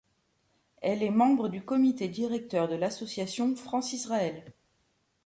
Elle est membre du comité directeur de l'association France-Israël.